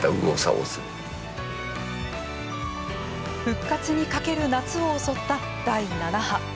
復活に懸ける夏を襲った第７波。